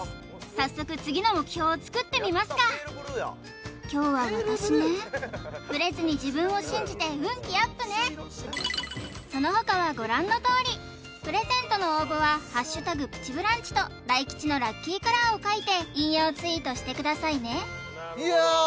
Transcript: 早速次の目標を作ってみますか今日は私ねブレずに自分を信じて運気アップねその他はご覧のとおりプレゼントの応募は「＃プチブランチ」と大吉のラッキーカラーを書いて引用ツイートしてくださいねいやー